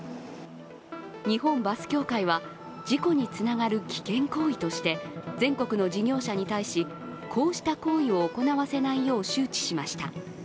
日本バス協会は事故につながる危険行為として全国の事業者に対しこうした行為を行わせないよう周知しました。